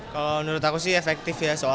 kalau menurut aku sih efektif ya soalnya